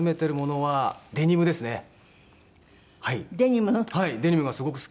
はい。